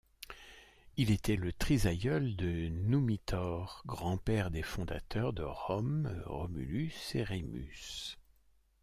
Il était le trisaïeul de Numitor, grand-père des fondateurs de Rome, Romulus et Rémus.